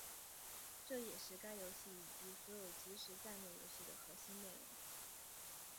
这也是该游戏以及所有即时战略游戏的核心内容。